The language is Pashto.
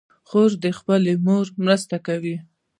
خور د خپلې مور مرسته کوي.